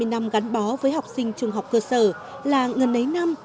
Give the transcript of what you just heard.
gần hai mươi năm gắn bó với học sinh trường học cơ sở là ngân lấy năm